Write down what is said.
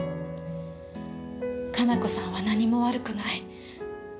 可奈子さんは何も悪くない。